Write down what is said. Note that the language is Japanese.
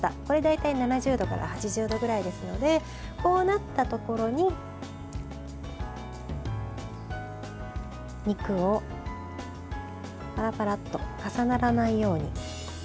これで大体７０度から８０度くらいですのでこうなったところに肉をパラパラと重ならないように。